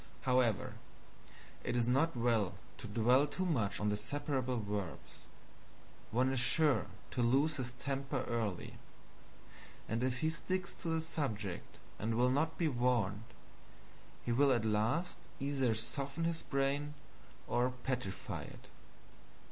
However, it is not well to dwell too much on the separable verbs. One is sure to lose his temper early; and if he sticks to the subject, and will not be warned, it will at last either soften his brain or petrify it.